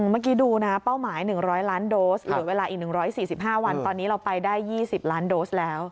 เมื่อกี้ดูนะเป้าหมาย๑๐๐ล้านโดสเหลือเวลาอีก๑๔๕วันตอนนี้เราไปได้๒๐ล้านโดสแล้ว